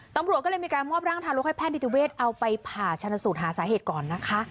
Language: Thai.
ตำรวจก็เลยมีการมอบร่างทารกให้แพทย์นิติเวศเอาไปผ่าชนสูตรหาสาเหตุก่อนนะคะ